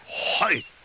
はい。